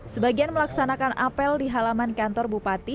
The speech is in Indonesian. sebagian melaksanakan apel di halaman kantor bupati